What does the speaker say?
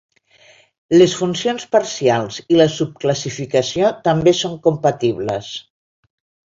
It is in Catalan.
Les funcions parcials i la subclassificació també són compatibles.